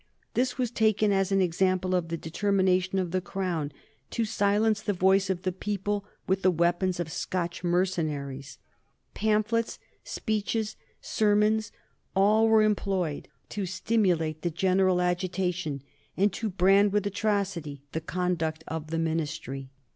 This was taken as an example of the determination of the Crown to silence the voice of the people with the weapons of Scotch mercenaries. Pamphlets, speeches, sermons, all were employed to stimulate the general agitation and to brand with atrocity the conduct of the Ministry.